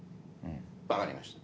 分かりました。